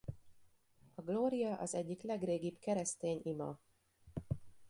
A Glória az egyik legrégibb keresztény ima.